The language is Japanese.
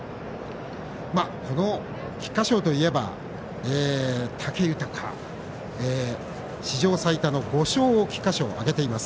この菊花賞といえば武豊史上最多の５勝を菊花賞、挙げています。